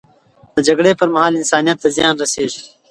د جګړې پر مهال، انسانیت ته زیان رسیږي.